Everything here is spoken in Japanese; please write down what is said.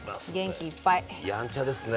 やんちゃですね。